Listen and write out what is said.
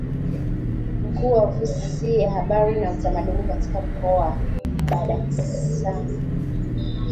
Mkuu wa Ofisi ya Habari na Utamaduni katika mkoa wa Badakhshan